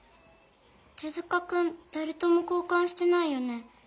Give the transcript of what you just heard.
手塚くんだれとも交かんしてないよね。